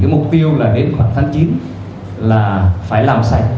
mục tiêu là đến khoảng tháng chín là phải làm sạch